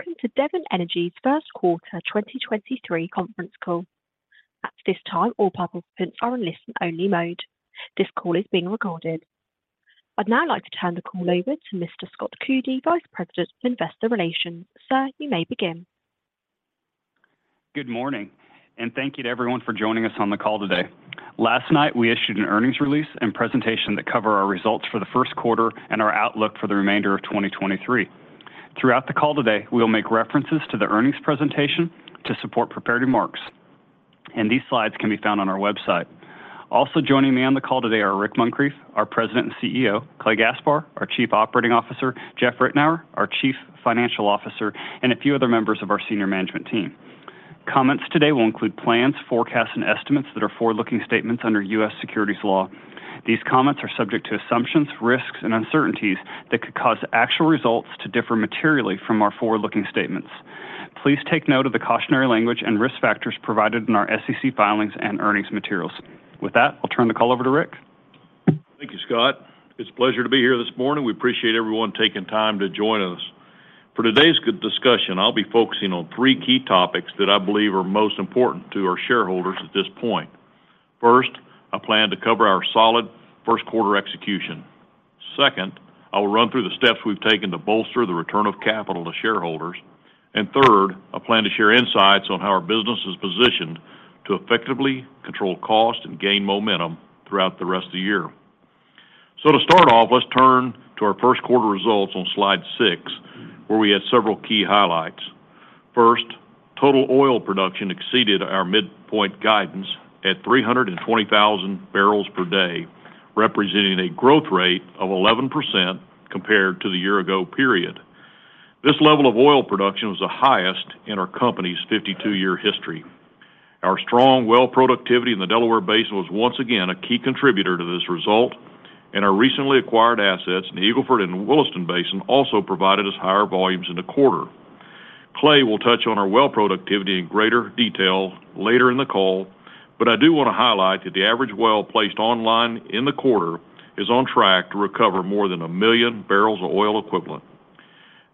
Welcome to Devon Energy's First Quarter 2023 Conference Call. At this time, all participants are in listen only mode. This call is being recorded. I'd now like to turn the call over to Mr. Scott Coody, Vice President of Investor Relations. Sir, you may begin. Good morning. Thank you to everyone for joining us on the call today. Last night, we issued an earnings release and presentation that cover our results for the first quarter and our outlook for the remainder of 2023. Throughout the call today, we will make references to the earnings presentation to support prepared remarks, and these slides can be found on our website. Also joining me on the call today are Rick Muncrief, our President and CEO, Clay Gaspar, our Chief Operating Officer, Jeff Ritenour, our Chief Financial Officer, and a few other members of our senior management team. Comments today will include plans, forecasts, and estimates that are forward-looking statements under U.S. securities law. These comments are subject to assumptions, risks, and uncertainties that could cause actual results to differ materially from our forward-looking statements. Please take note of the cautionary language and risk factors provided in our SEC filings and earnings materials. With that, I'll turn the call over to Rick. Thank you, Scott. It's a pleasure to be here this morning. We appreciate everyone taking time to join us. For today's discussion, I'll be focusing on three key topics that I believe are most important to our shareholders at this point. First, a plan to cover our solid first quarter execution. Second, I will run through the steps we've taken to bolster the return of capital to shareholders. Third, a plan to share insights on how our business is positioned to effectively control cost and gain momentum throughout the rest of the year. To start off, let's turn to our first quarter results on slide six, where we had several key highlights. First, total oil production exceeded our midpoint guidance at 320,000 barrels per day, representing a growth rate of 11% compared to the year ago period. This level of oil production was the highest in our company's 52-year history. Our strong well productivity in the Delaware Basin was once again a key contributor to this result, and our recently acquired assets in the Eagle Ford and Williston Basin also provided us higher volumes in the quarter. Clay will touch on our well productivity in greater detail later in the call, but I do want to highlight that the average well placed online in the quarter is on track to recover more than 1 million barrels of oil equivalent.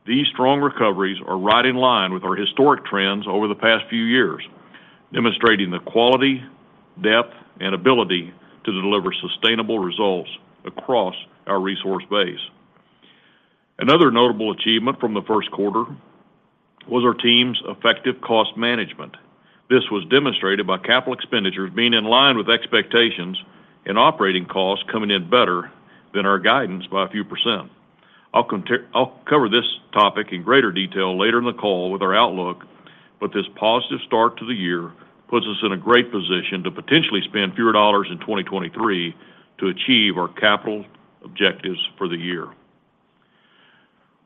These strong recoveries are right in line with our historic trends over the past few years, demonstrating the quality, depth, and ability to deliver sustainable results across our resource base. Another notable achievement from the first quarter was our team's effective cost management. This was demonstrated by capital expenditures being in line with expectations and operating costs coming in better than our guidance by a few percent. I'll cover this topic in greater detail later in the call with our outlook, This positive start to the year puts us in a great position to potentially spend fewer dollars in 2023 to achieve our capital objectives for the year.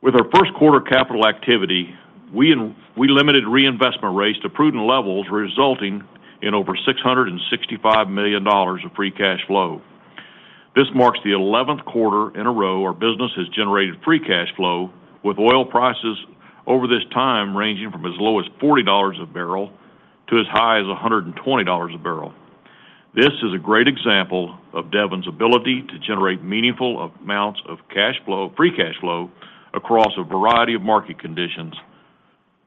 With our first quarter capital activity, we limited reinvestment rates to prudent levels, resulting in over $665 million of free cash flow. This marks the eleventh quarter in a row our business has generated free cash flow with oil prices over this time ranging from as low as $40 a barrel to as high as $120 a barrel. This is a great example of Devon Energy's ability to generate meaningful amounts of cash flow, free cash flow across a variety of market conditions,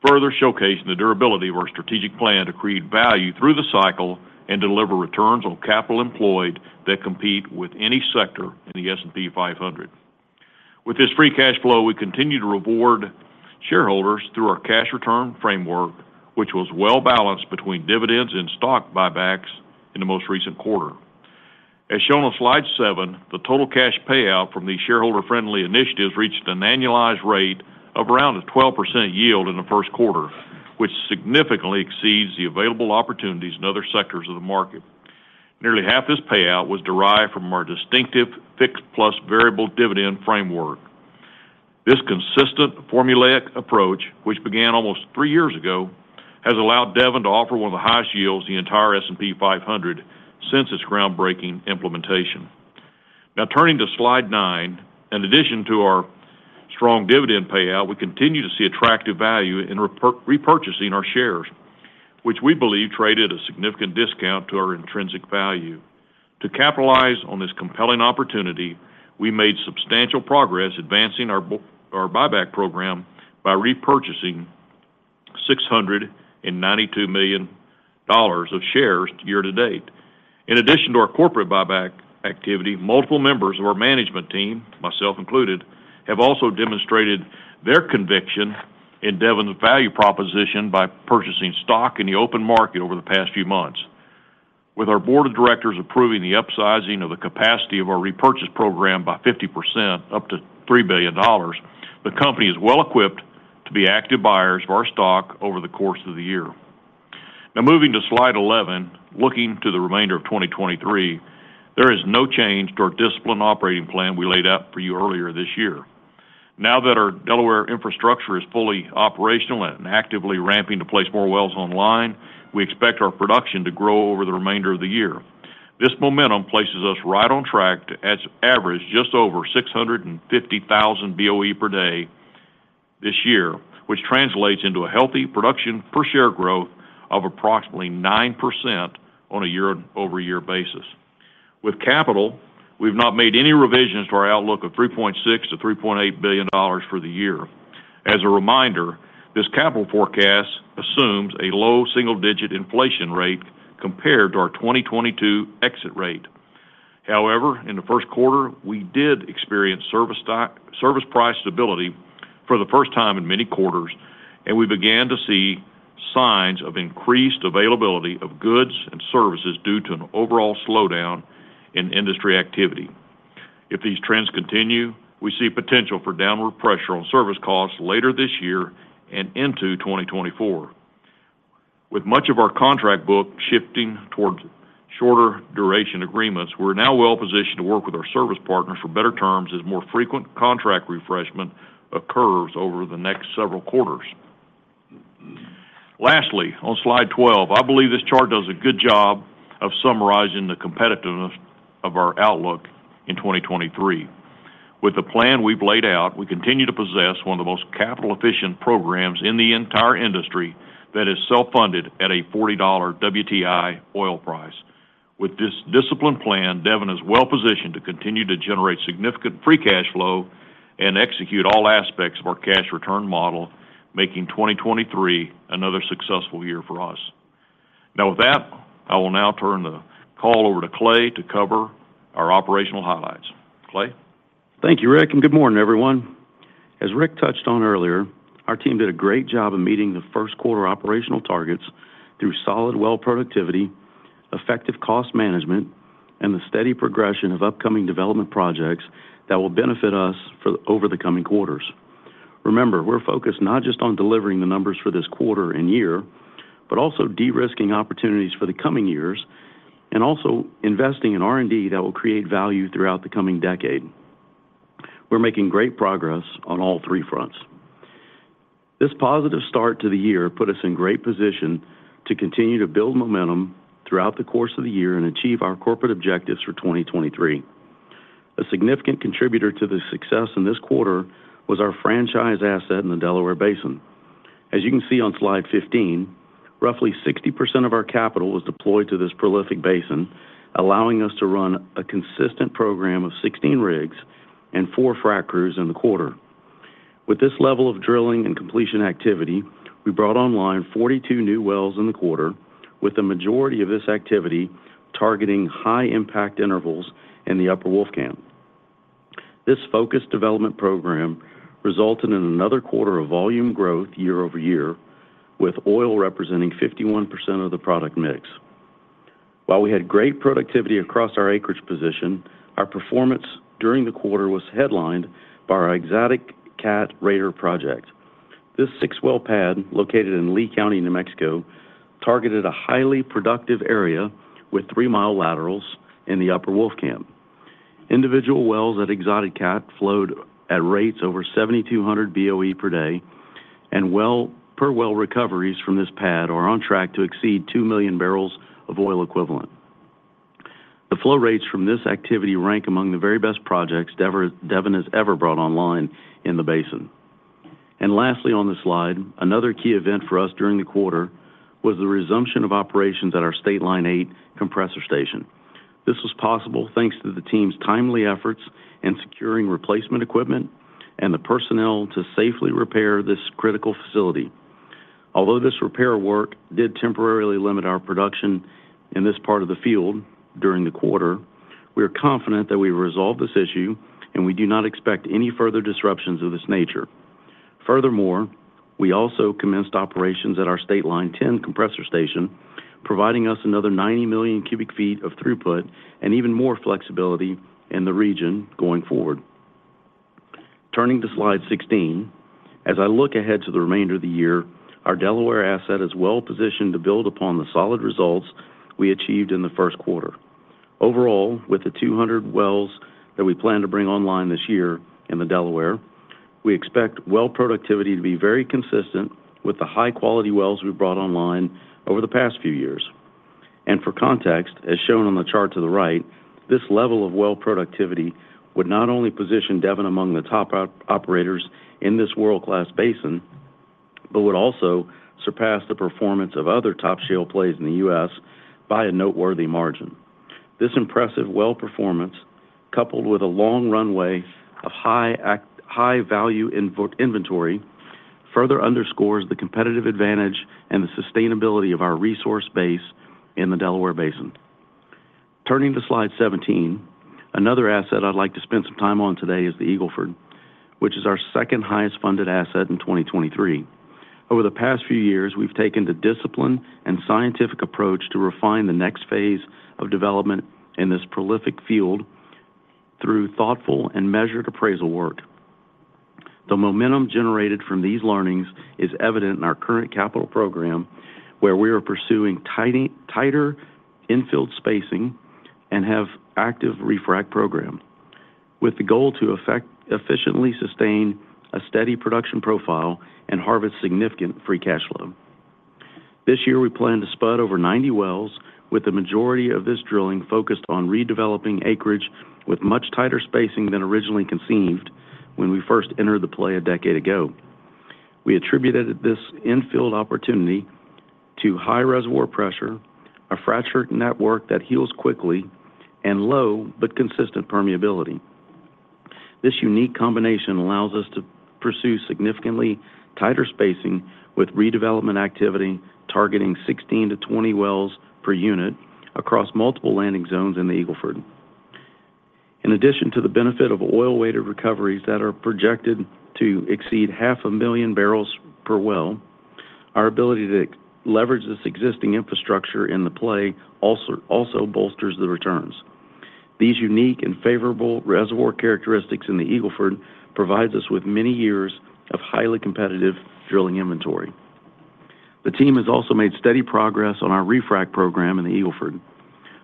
further showcasing the durability of our strategic plan to create value through the cycle and deliver returns on capital employed that compete with any sector in the S&P 500. With this free cash flow, we continue to reward shareholders through our cash return framework, which was well-balanced between dividends and stock buybacks in the most recent quarter. As shown on slide seven, the total cash payout from these shareholder-friendly initiatives reached an annualized rate of around a 12% yield in the first quarter, which significantly exceeds the available opportunities in other sectors of the market. Nearly half this payout was derived from our distinctive fixed plus variable dividend framework. This consistent formulaic approach, which began almost three years ago, has allowed Devon to offer one of the highest yields in the entire S&P 500 since its groundbreaking implementation. Turning to slide nine. In addition to our strong dividend payout, we continue to see attractive value in repurchasing our shares, which we believe traded a significant discount to our intrinsic value. To capitalize on this compelling opportunity, we made substantial progress advancing our buyback program by repurchasing $692 million of shares year-to-date. In addition to our corporate buyback activity, multiple members of our management team, myself included, have also demonstrated their conviction in Devon's value proposition by purchasing stock in the open market over the past few months. With our board of directors approving the upsizing of the capacity of our repurchase program by 50% up to $3 billion, the company is well equipped to be active buyers of our stock over the course of the year. Moving to slide 11, looking to the remainder of 2023, there is no change to our discipline operating plan we laid out for you earlier this year. That our Delaware infrastructure is fully operational and actively ramping to place more wells online, we expect our production to grow over the remainder of the year. This momentum places us right on track to average just over 650,000 BOE per day this year, which translates into a healthy production per share growth of approximately 9% on a year-over-year basis. With capital, we've not made any revisions to our outlook of $3.6 billion-$3.8 billion for the year. As a reminder, this capital forecast assumes a low single-digit inflation rate compared to our 2022 exit rate. However, in the first quarter we did experience service price stability for the first time in many quarters, and we began to see signs of increased availability of goods and services due to an overall slowdown in industry activity. If these trends continue, we see potential for downward pressure on service costs later this year and into 2024. With much of our contract book shifting towards shorter duration agreements, we're now well-positioned to work with our service partners for better terms as more frequent contract refreshment occurs over the next several quarters. Lastly, on slide 12, I believe this chart does a good job of summarizing the competitiveness of our outlook in 2023. With the plan we've laid out, we continue to possess one of the most capital-efficient programs in the entire industry that is self-funded at a $40 WTI oil price. With this disciplined plan, Devon is well-positioned to continue to generate significant free cash flow and execute all aspects of our cash return model, making 2023 another successful year for us. With that, I will now turn the call over to Clay to cover our operational highlights. Clay? Thank you, Rick. Good morning, everyone. As Rick touched on earlier, our team did a great job of meeting the first quarter operational targets through solid well productivity, effective cost management, and the steady progression of upcoming development projects that will benefit us over the coming quarters. Remember, we're focused not just on delivering the numbers for this quarter and year, but also de-risking opportunities for the coming years and also investing in R&D that will create value throughout the coming decade. We're making great progress on all three fronts. This positive start to the year put us in great position to continue to build momentum throughout the course of the year and achieve our corporate objectives for 2023. A significant contributor to the success in this quarter was our franchise asset in the Delaware Basin. As you can see on slide 15, roughly 60% of our capital was deployed to this prolific basin, allowing us to run a consistent program of 16 rigs and 4 frac crews in the quarter. With this level of drilling and completion activity, we brought online 42 new wells in the quarter, with the majority of this activity targeting high-impact intervals in the Upper Wolfcamp. This focused development program resulted in another quarter of volume growth year-over-year, with oil representing 51% of the product mix. While we had great productivity across our acreage position, our performance during the quarter was headlined by our Exotic Cat Radar project. This 6-well pad located in Lea County, New Mexico, targeted a highly productive area with 3-mile laterals in the Upper Wolfcamp. Individual wells at Exotic Cat flowed at rates over 7,200 BOE per day. Per well recoveries from this pad are on track to exceed 2 million barrels of oil equivalent. The flow rates from this activity rank among the very best projects Devon has ever brought online in the basin. Lastly on the slide, another key event for us during the quarter was the resumption of operations at our State Line 8 compressor station. This was possible thanks to the team's timely efforts in securing replacement equipment and the personnel to safely repair this critical facility. This repair work did temporarily limit our production in this part of the field during the quarter, we are confident that we resolved this issue and we do not expect any further disruptions of this nature. Furthermore, we also commenced operations at our State Line 10 compressor station, providing us another 90 million cubic feet of throughput and even more flexibility in the region going forward. Turning to slide 16. As I look ahead to the remainder of the year, our Delaware asset is well positioned to build upon the solid results we achieved in the first quarter. Overall, with the 200 wells that we plan to bring online this year in the Delaware, we expect well productivity to be very consistent with the high-quality wells we've brought online over the past few years. For context, as shown on the chart to the right, this level of well productivity would not only position Devon among the top operators in this world-class basin, but would also surpass the performance of other top shale plays in the U.S. by a noteworthy margin. This impressive well performance, coupled with a long runway of high-value inventory, further underscores the competitive advantage and the sustainability of our resource base in the Delaware Basin. Turning to slide 17. Another asset I'd like to spend some time on today is the Eagle Ford, which is our second highest funded asset in 2023. Over the past few years, we've taken the discipline and scientific approach to refine the next phase of development in this prolific field through thoughtful and measured appraisal work. The momentum generated from these learnings is evident in our current capital program, where we are pursuing tighter infill spacing and have active Refrac program with the goal to efficiently sustain a steady production profile and harvest significant free cash flow. This year we plan to spud over 90 wells with the majority of this drilling focused on redeveloping acreage with much tighter spacing than originally conceived when we first entered the play a decade ago. We attributed this infill opportunity to high reservoir pressure, a fractured network that heals quickly, and low but consistent permeability. This unique combination allows us to pursue significantly tighter spacing with redevelopment activity targeting 16-20 wells per unit across multiple landing zones in the Eagle Ford. In addition to the benefit of oil-weighted recoveries that are projected to exceed half a million barrels per well, our ability to leverage this existing infrastructure in the play also bolsters the returns. These unique and favorable reservoir characteristics in the Eagle Ford provides us with many years of highly competitive drilling inventory. The team has also made steady progress on our Refrac program in the Eagle Ford,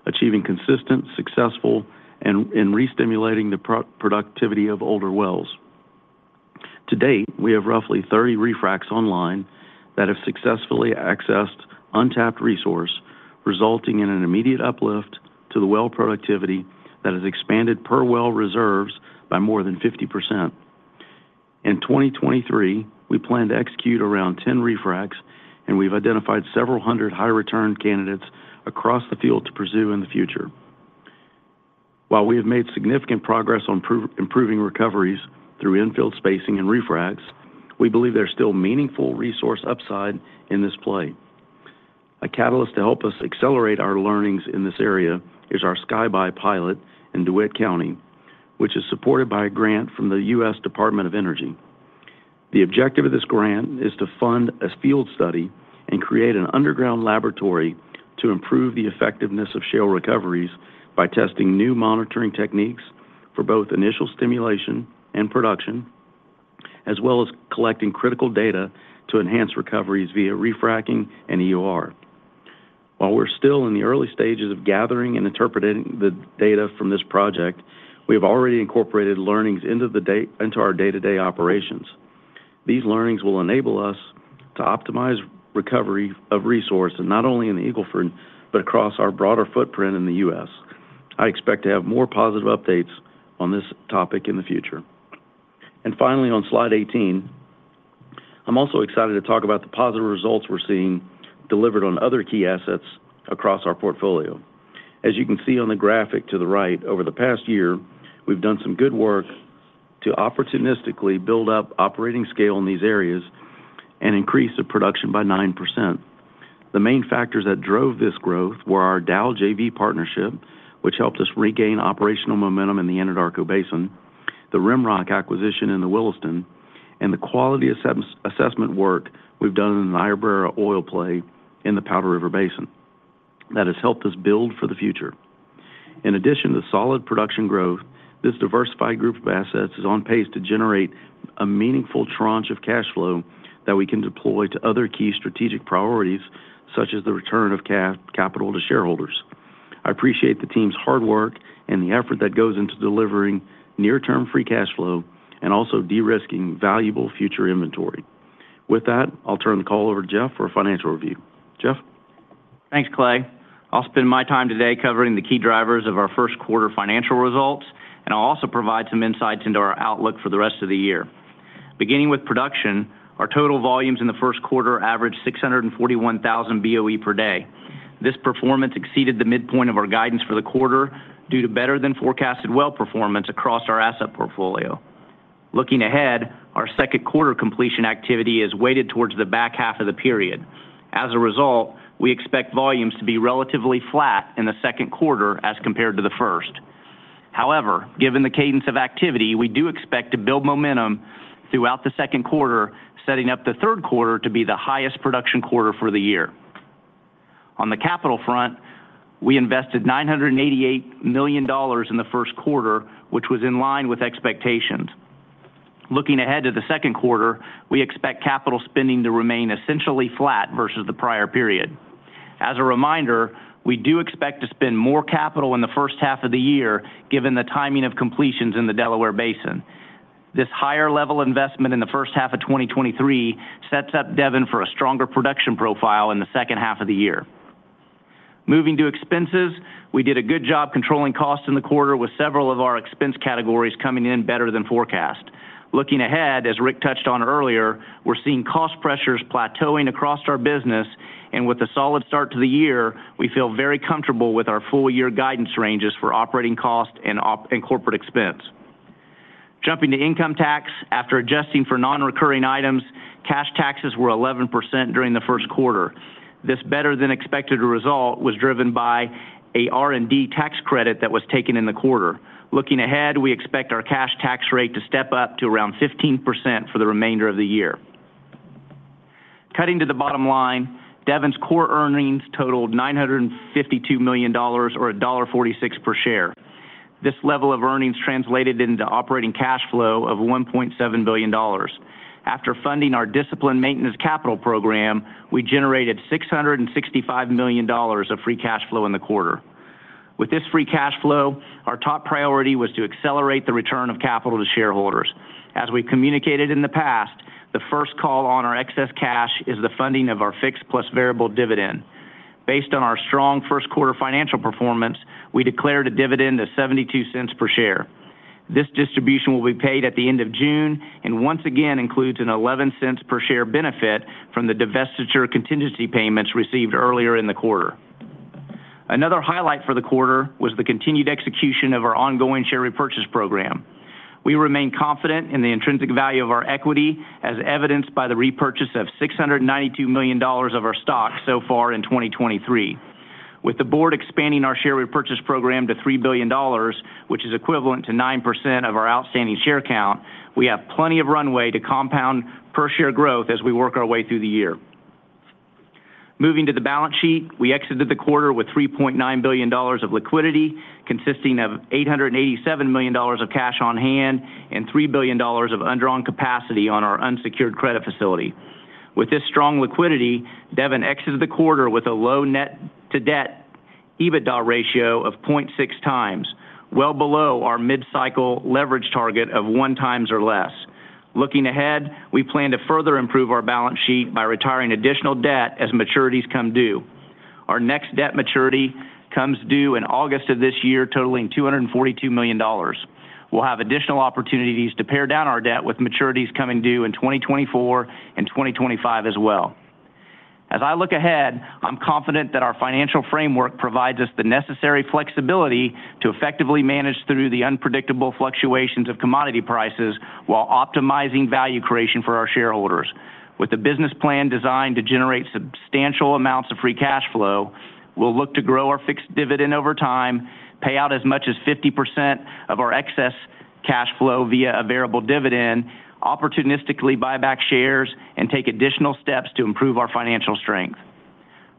achieving consistent, successful, and re-stimulating the productivity of older wells. To date, we have roughly 30 Refrac online that have successfully accessed untapped resource, resulting in an immediate uplift to the well productivity that has expanded per well reserves by more than 50%. In 2023, we plan to execute around 10 Refracs, we've identified several hundred high return candidates across the field to pursue in the future. While we have made significant progress on improving recoveries through infill spacing and Refracs, we believe there's still meaningful resource upside in this play. A catalyst to help us accelerate our learnings in this area is our Zgabay pilot in DeWitt County, which is supported by a grant from the U.S. Department of Energy. The objective of this grant is to fund a field study and create an underground laboratory to improve the effectiveness of shale recoveries by testing new monitoring techniques for both initial stimulation and production, as well as collecting critical data to enhance recoveries via Refracking and EOR. While we're still in the early stages of gathering and interpreting the data from this project, we have already incorporated learnings into our day-to-day operations. These learnings will enable us to optimize recovery of resource and not only in the Eagle Ford, but across our broader footprint in the U.S. I expect to have more positive updates on this topic in the future. Finally, on slide 18, I'm also excited to talk about the positive results we're seeing delivered on other key assets across our portfolio. As you can see on the graphic to the right, over the past year, we've done some good work to opportunistically build up operating scale in these areas and increase the production by 9%. The main factors that drove this growth were our Dow JV partnership, which helped us regain operational momentum in the Anadarko Basin, the RimRock acquisition in the Williston, and the quality assessment work we've done in the Niobrara Oil Play in the Powder River Basin that has helped us build for the future. In addition to solid production growth, this diversified group of assets is on pace to generate a meaningful tranche of cash flow that we can deploy to other key strategic priorities, such as the return of capital to shareholders. I appreciate the team's hard work and the effort that goes into delivering near-term free cash flow and also de-risking valuable future inventory. With that, I'll turn the call over to Jeff for a financial review. Jeff? Thanks, Clay. I'll spend my time today covering the key drivers of our first quarter financial results, and I'll also provide some insights into our outlook for the rest of the year. Beginning with production, our total volumes in the first quarter averaged 641,000 BOE per day. This performance exceeded the midpoint of our guidance for the quarter due to better than forecasted well performance across our asset portfolio. Looking ahead, our second quarter completion activity is weighted towards the back half of the period. As a result, we expect volumes to be relatively flat in the second quarter as compared to the first. However, given the cadence of activity, we do expect to build momentum throughout the second quarter, setting up the third quarter to be the highest production quarter for the year. On the capital front, we invested $988 million in the first quarter, which was in line with expectations. Looking ahead to the second quarter, we expect capital spending to remain essentially flat versus the prior period. As a reminder, we do expect to spend more capital in the first half of the year, given the timing of completions in the Delaware Basin. This higher level investment in the first half of 2023 sets up Devon for a stronger production profile in the second half of the year. Moving to expenses, we did a good job controlling costs in the quarter with several of our expense categories coming in better than forecast. Looking ahead, as Rick touched on earlier, we're seeing cost pressures plateauing across our business. With a solid start to the year, we feel very comfortable with our full year guidance ranges for operating cost and corporate expense. Jumping to income tax, after adjusting for non-recurring items, cash taxes were 11% during the first quarter. This better than expected result was driven by a R&D tax credit that was taken in the quarter. Looking ahead, we expect our cash tax rate to step up to around 15% for the remainder of the year. Cutting to the bottom line, Devon's core earnings totaled $952 million or $1.46 per share. This level of earnings translated into operating cash flow of $1.7 billion. After funding our disciplined maintenance capital program, we generated $665 million of free cash flow in the quarter. With this free cash flow, our top priority was to accelerate the return of capital to shareholders. As we communicated in the past, the first call on our excess cash is the funding of our fixed plus variable dividend. Based on our strong first quarter financial performance, we declared a dividend of $0.72 per share. This distribution will be paid at the end of June, and once again includes an $0.11 per share benefit from the divestiture contingency payments received earlier in the quarter. Another highlight for the quarter was the continued execution of our ongoing share repurchase program. We remain confident in the intrinsic value of our equity as evidenced by the repurchase of $692 million of our stock so far in 2023. With the board expanding our share repurchase program to $3 billion, which is equivalent to 9% of our outstanding share count, we have plenty of runway to compound per share growth as we work our way through the year. Moving to the balance sheet, we exited the quarter with $3.9 billion of liquidity, consisting of $887 million of cash on hand and $3 billion of undrawn capacity on our unsecured credit facility. With this strong liquidity, Devon exits the quarter with a low net-to-debt EBITDA ratio of 0.6x, well below our mid-cycle leverage target of 1x or less. Looking ahead, we plan to further improve our balance sheet by retiring additional debt as maturities come due. Our next debt maturity comes due in August of this year, totaling $242 million. We'll have additional opportunities to pare down our debt with maturities coming due in 2024 and 2025 as well. I look ahead, I'm confident that our financial framework provides us the necessary flexibility to effectively manage through the unpredictable fluctuations of commodity prices while optimizing value creation for our shareholders. With a business plan designed to generate substantial amounts of free cash flow, we'll look to grow our fixed dividend over time, pay out as much as 50% of our excess cash flow via available dividend, opportunistically buy back shares, and take additional steps to improve our financial strength.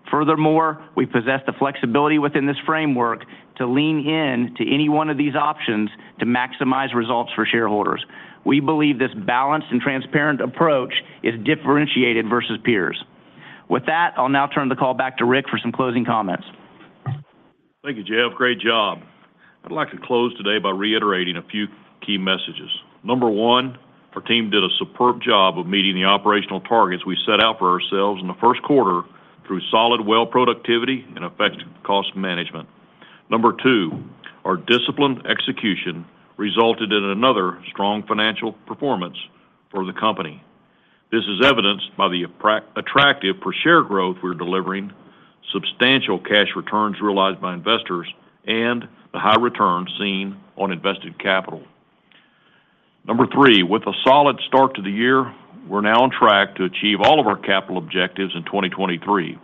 Furthermore, we possess the flexibility within this framework to lean in to any one of these options to maximize results for shareholders. We believe this balanced and transparent approach is differentiated versus peers. With that, I'll now turn the call back to Rick for some closing comments. Thank you, Jeff. Great job. I'd like to close today by reiterating a few key messages. Number one, our team did a superb job of meeting the operational targets we set out for ourselves in the first quarter through solid well productivity and effective cost management. Number two, our disciplined execution resulted in another strong financial performance for the company. This is evidenced by the attractive per share growth we're delivering, substantial cash returns realized by investors, and the high returns seen on invested capital. Number three, with a solid start to the year, we're now on track to achieve all of our capital objectives in 2023.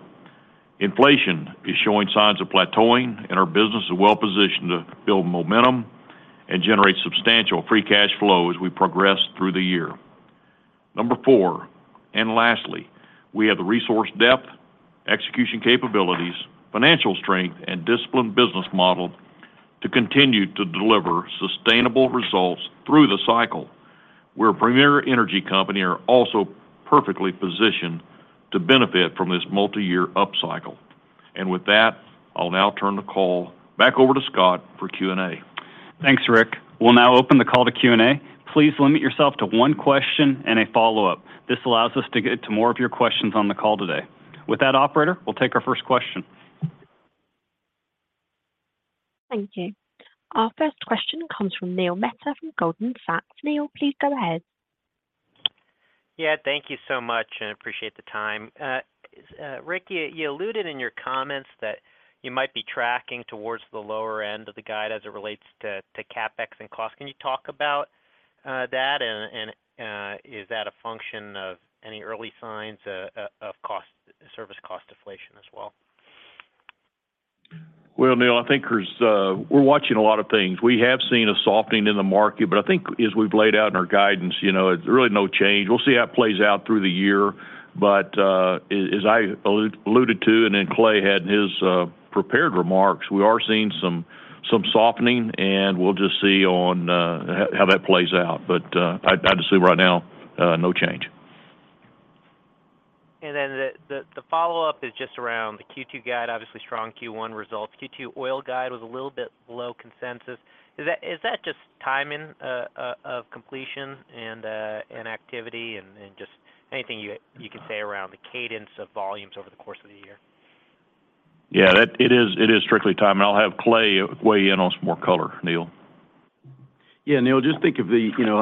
Inflation is showing signs of plateauing and our business is well-positioned to build momentum and generate substantial free cash flow as we progress through the year. Number 4, lastly, we have the resource depth, execution capabilities, financial strength, and disciplined business model to continue to deliver sustainable results through the cycle. We're a premier energy company and are also perfectly positioned to benefit from this multiyear upcycle. With that, I'll now turn the call back over to Scott for Q&A. Thanks, Rick. We'll now open the call to Q&A. Please limit yourself to one question and a follow-up. This allows us to get to more of your questions on the call today. With that, operator, we'll take our first question. Thank you. Our first question comes from Neil Mehta from Goldman Sachs. Neil, please go ahead. Yeah, thank you so much, and appreciate the time. Rick, you alluded in your comments that you might be tracking towards the lower end of the guide as it relates to CapEx and cost. Can you talk about that and is that a function of any early signs of service cost deflation as well? Well, Neal, I think there's. We're watching a lot of things. We have seen a softening in the market. I think as we've laid out in our guidance, you know, it's really no change. We'll see how it plays out through the year. As I alluded to, and then Clay had in his prepared remarks, we are seeing some softening, and we'll just see on how that plays out. I'd assume right now, no change. The follow-up is just around the Q2 guide, obviously strong Q1 results. Q2 oil guide was a little bit below consensus. Is that just timing of completion and activity and just anything you can say around the cadence of volumes over the course of the year? Yeah, that it is, it is strictly timing. I'll have Clay weigh in on some more color, Neal. Yeah, Neal, just think of the, you know,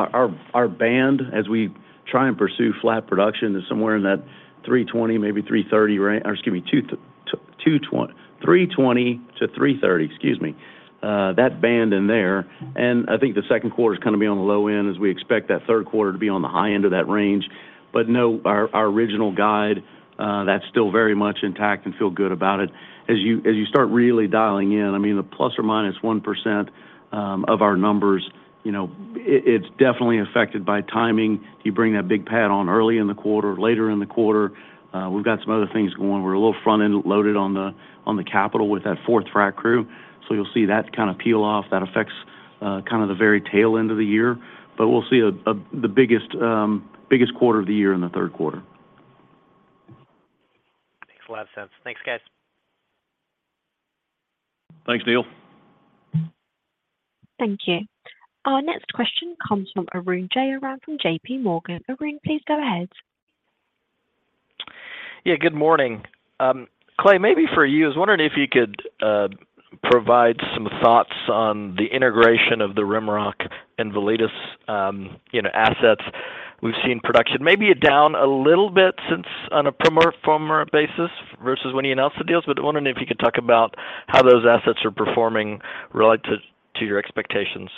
our band as we try and pursue flat production is somewhere in that 320, maybe 330 or excuse me, 220, 320-330. Excuse me. That band in there. I think the second quarter is gonna be on the low end as we expect that third quarter to be on the high end of that range. No, our original guide, that's still very much intact and feel good about it. As you, as you start really dialing in, I mean, the ±1% of our numbers, it's definitely affected by timing. Do you bring that big pad on early in the quarter, later in the quarter? We've got some other things going. We're a little front-end loaded on the, on the capital with that fourth frac crew, so you'll see that kind of peel off. That affects, kind of the very tail end of the year. We'll see a, the biggest quarter of the year in the third quarter. Makes a lot of sense. Thanks, guys. Thanks, Neal. Thank you. Our next question comes from Arun Jayaram from JP Morgan. Arun, please go ahead. Yeah, good morning. Clay, maybe for you. I was wondering if you could provide some thoughts on the integration of the RimRock and Validus, you know, assets. We've seen production maybe down a little bit since on a per mark, former basis versus when you announced the deals. Wondering if you could talk about how those assets are performing relative to your expectations.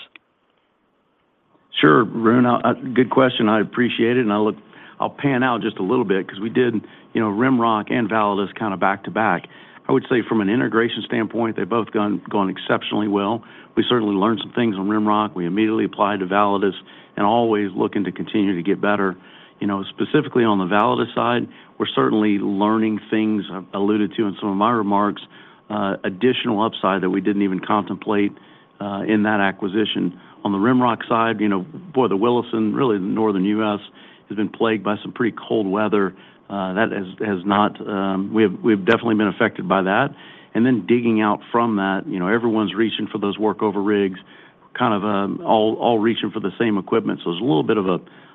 Sure. Arun, good question. I appreciate it, and I'll pan out just a little bit because we did, you know, RimRock and Validus kinda back to back. I would say from an integration standpoint, they've both gone exceptionally well. We certainly learned some things on RimRock. We immediately applied to Validus and always looking to continue to get better. You know, specifically on the Validus side, we're certainly learning things I alluded to in some of my remarks, additional upside that we didn't even contemplate in that acquisition. On the RimRock side, you know, boy, the Williston, really the Northern U.S., has been plagued by some pretty cold weather that has not. We've definitely been affected by that. Digging out from that, you know, everyone's reaching for those workover rigs, kind of, all reaching for the same equipment. There's a little bit of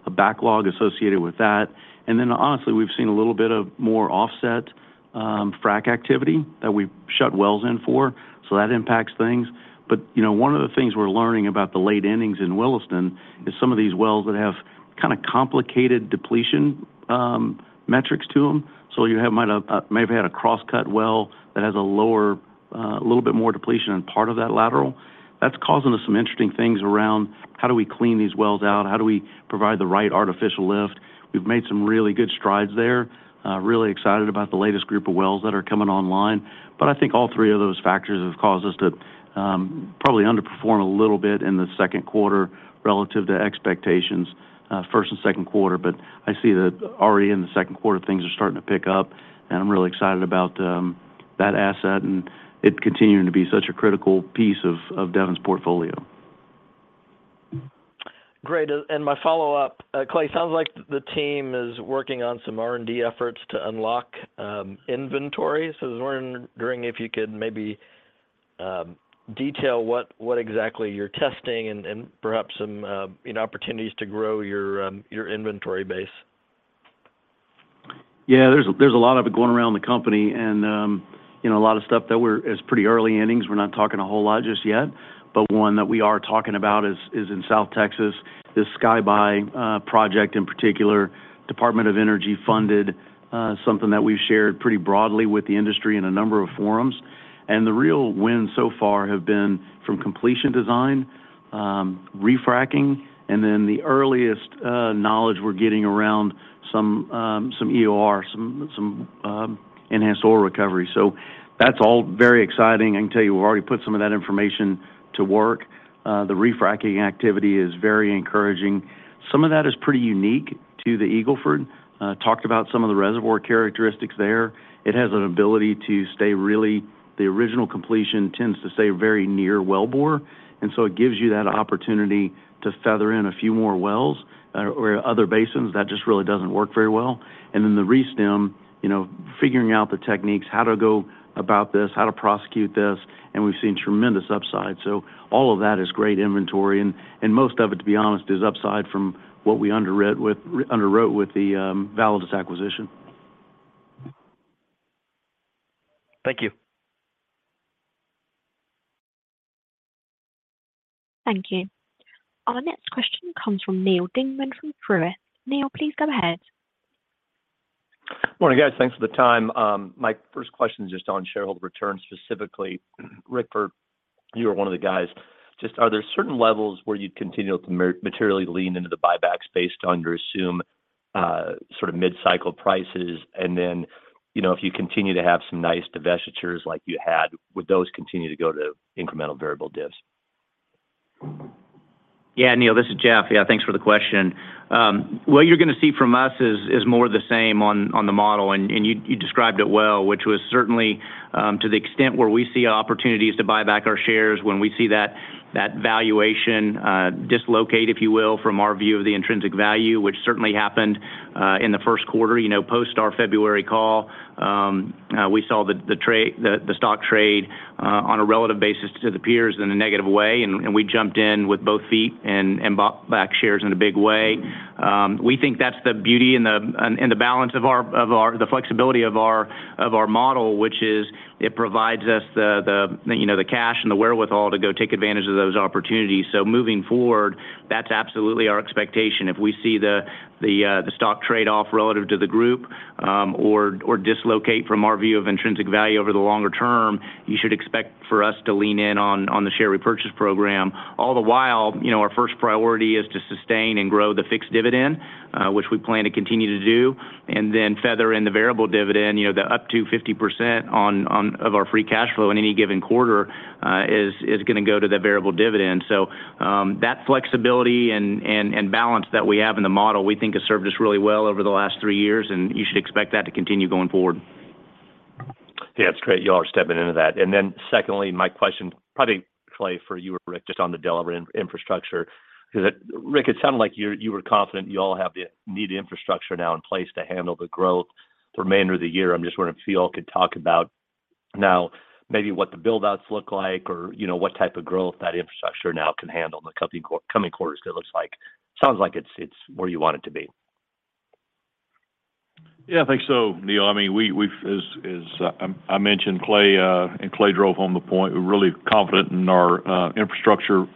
a backlog associated with that. Honestly, we've seen a little bit of more offset, frac activity that we've shut wells in for. That impacts things. You know, one of the things we're learning about the late innings in Williston is some of these wells that have kinda complicated depletion, metrics to them. might have may have had a cross cut well that has a lower little bit more depletion in part of that lateral. That's causing us some interesting things around how do we clean these wells out? How do we provide the right artificial lift? We've made some really good strides there. Really excited about the latest group of wells that are coming online. I think all three of those factors have caused us to, probably underperform a little bit in the second quarter relative to expectations, first and second quarter. I see that already in the second quarter, things are starting to pick up, and I'm really excited about, that asset and it continuing to be such a critical piece of Devon's portfolio. Great. My follow-up, Clay, sounds like the team is working on some R&D efforts to unlock inventory. I was wondering if you could maybe detail what exactly you're testing and perhaps some, you know, opportunities to grow your inventory base. Yeah, there's a lot of it going around the company and, you know, a lot of stuff that It's pretty early innings. We're not talking a whole lot just yet. One that we are talking about is in South Texas, the Zgabay project in particular, Department of Energy funded, something that we've shared pretty broadly with the industry in a number of forums. The real wins so far have been from completion design, Refracking, and then the earliest knowledge we're getting around some EOR, some enhanced oil recovery. That's all very exciting. I can tell you we've already put some of that information to work. The Refracking activity is very encouraging. Some of that is pretty unique to the Eagle Ford. Talked about some of the reservoir characteristics there. It has an ability to stay really. The original completion tends to stay very near well bore, and so it gives you that opportunity to feather in a few more wells or other basins that just really doesn't work very well. Then the re-stim, you know, figuring out the techniques, how to go about this, how to prosecute this, and we've seen tremendous upside. All of that is great inventory, and most of it, to be honest, is upside from what we underwrote with the Validus acquisition. Thank you. Thank you. Our next question comes from Neal Dingmann from Truist. Neil, please go ahead. Morning, guys. Thanks for the time. My first question is just on shareholder returns, specifically, Rick, for you are one of the guys. Just are there certain levels where you'd continue to materially lean into the buybacks based on your assumed, sort of mid-cycle prices? Then, you know, if you continue to have some nice divestitures like you had, would those continue to go to incremental variable dips? Yeah, Neal, this is Jeff. Yeah, thanks for the question. What you're gonna see from us is more the same on the model. You described it well, which was certainly to the extent where we see opportunities to buy back our shares when we see that valuation dislocate, if you will, from our view of the intrinsic value, which certainly happened in the first quarter. You know, post our February call, we saw the stock trade on a relative basis to the peers in a negative way, and we jumped in with both feet and bought back shares in a big way. We think that's the beauty and the balance of our... the flexibility of our model, which is it provides us the, you know, the cash and the wherewithal to go take advantage of those opportunities. Moving forward, that's absolutely our expectation. If we see the stock trade-off relative to the group, or dislocate from our view of intrinsic value over the longer term, you should expect for us to lean in on the share repurchase program. All the while, you know, our first priority is to sustain and grow the fixed dividend, which we plan to continue to do, and then feather in the variable dividend. You know, the up to 50% of our free cash flow in any given quarter, is gonna go to the variable dividend. That flexibility and balance that we have in the model, we think has served us really well over the last three years, and you should expect that to continue going forward. Yeah, it's great y'all are stepping into that. Secondly, my question probably, Clay, for you or Rick, just on the delivery infrastructure. Rick, it sounded like you were confident y'all have the needed infrastructure now in place to handle the growth for the remainder of the year. I'm just wondering if y'all could talk about maybe what the build-outs look like or, you know, what type of growth that infrastructure now can handle in the coming quarters. Sounds like it's where you want it to be. Yeah, I think so, Neal. I mean, As I mentioned, Clay, and Clay drove home the point, we're really confident in our infrastructure,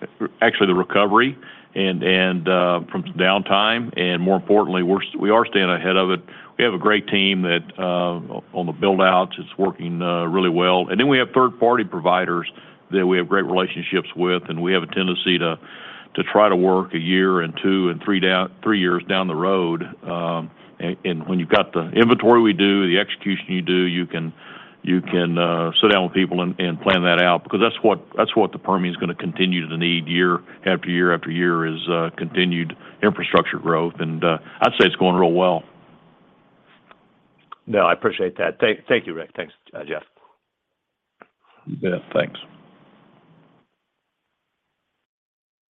actually the recovery and from some downtime, and more importantly, we are staying ahead of it. We have a great team that on the build-outs, it's working really well. We have third-party providers that we have great relationships with, and we have a tendency to try to work a year and 2 and 3 years down the road. When you've got the inventory we do, the execution you do, you can sit down with people and plan that out because that's what the Permian's gonna continue to need year after year after year is continued infrastructure growth, and I'd say it's going real well. No, I appreciate that. Thank you, Rick. Thanks, Jeff. Yeah, thanks.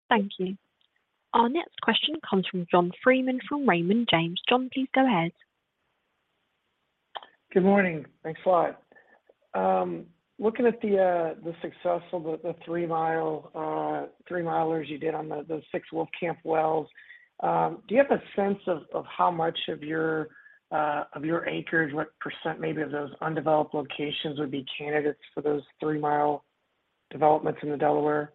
Thank you. Our next question comes from John Freeman from Raymond James. John, please go ahead. Good morning. Thanks a lot. Looking at the success of the 3-mile 3-milers you did on the 6 Wolfcamp wells, do you have a sense of how much of your acres, what % maybe of those undeveloped locations would be candidates for those 3-mile developments in the Delaware?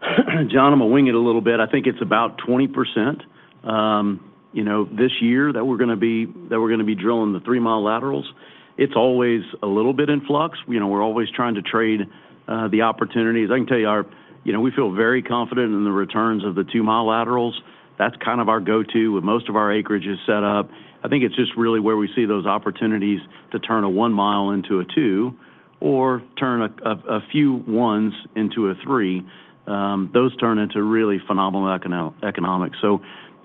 John, I'm gonna wing it a little bit. I think it's about 20%, you know, this year that we're gonna be drilling the three-mile laterals. It's always a little bit in flux. You know, we're always trying to trade the opportunities. I can tell you. You know, we feel very confident in the returns of the two-mile laterals. That's kind of our go-to, with most of our acreage is set up. I think it's just really where we see those opportunities to turn a one mile into a two, or turn a few ones into a three. Those turn into really phenomenal econo-economics.